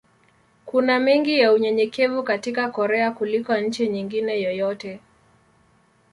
Kuna mengi ya unyenyekevu katika Korea kuliko nchi nyingine yoyote.